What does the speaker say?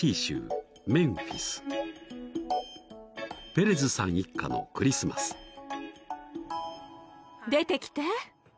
［ペレズさん一家のクリスマス］出てきて。